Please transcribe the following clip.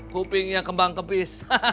kupingnya kembang kepis